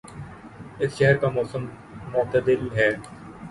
اس شہر کا موسم معتدل ہے